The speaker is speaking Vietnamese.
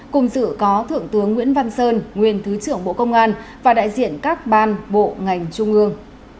cùng dự có thượng tướng nguyễn văn sơn nguyên thứ trưởng bộ công an và đại diện các ban bộ ngành trung ương